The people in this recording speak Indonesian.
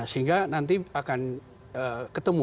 sehingga nanti akan ketemu